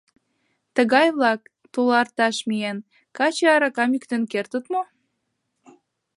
Тыгай-влак, туларташ миен, каче аракам йӱктен кертыт мо?